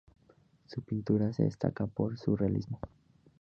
Su pintura destaca por su realismo.